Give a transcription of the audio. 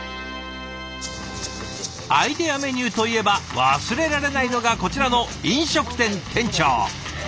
アイデアメニューといえば忘れられないのがこちらの飲食店店長。